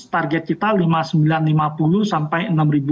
target kita lima sembilan ratus lima puluh sampai enam seratus